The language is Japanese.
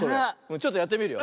ちょっとやってみるよ。